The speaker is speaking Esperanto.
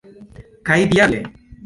Kaj diable!